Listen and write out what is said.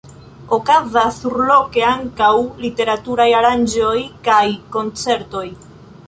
Okazas surloke ankaŭ literaturaj aranĝoj kaj koncertoj.